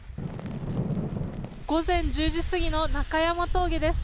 午前１０時過ぎの中山峠です。